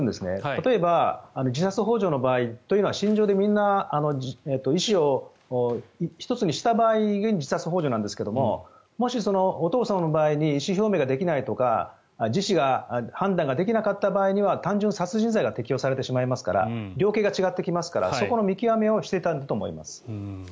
例えば自殺ほう助の場合というのは心中で意思を１つにした場合が自殺ほう助なんですけどもしお父様の場合に意思表明ができないとか意思の判断ができなかった場合は単純な殺人罪が適用されますから量刑が違ってきますからそこの見極めをしていたんだと思います。